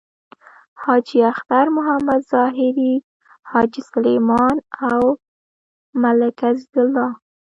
حاجی اختر محمد طاهري، حاجی سلیمان او ملک عزیز الله…